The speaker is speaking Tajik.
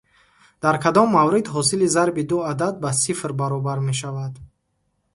Дар кадом маврид ҳосили зарби ду адад ба сифр баробар мешавад?